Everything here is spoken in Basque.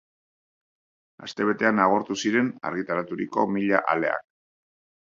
Astebetean agortu ziren argitaraturiko mila aleak.